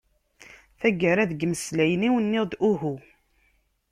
Taggara deg imeslayen-iw, nniɣ-d uhu.